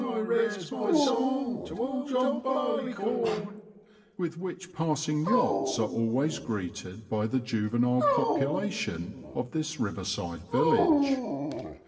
All day long I raise my song — John Barleyoorn," with which passing yachts are always greeted by the juvenile population of this riverside village.